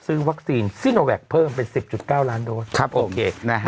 วัคซีนซิโนแวคเพิ่มเป็น๑๐๙ล้านโดสครับโอเคนะฮะ